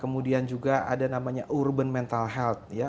kemudian juga ada namanya urban mental health ya